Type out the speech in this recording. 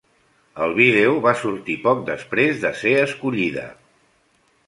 El vídeo va sortir poc després de ser escollida.